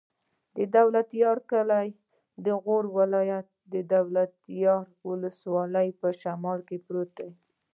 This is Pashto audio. د دولتيار کلی د غور ولایت، دولتيار ولسوالي په شمال کې پروت دی.